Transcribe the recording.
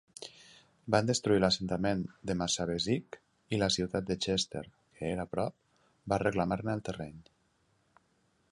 Van destruir l'assentament de Massabesic i la ciutat de Chester, que era prop, va reclamar-ne el terreny.